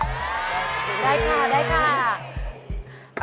ได้ค่ะ